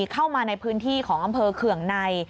เข้ามาในพื้นที่ของอำเภอเคืองใน